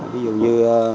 ví dụ như